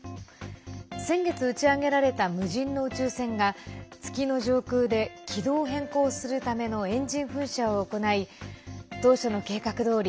先月、打ち上げられた無人の宇宙船が月の上空で軌道を変更するためのエンジン噴射を行い当初の計画どおり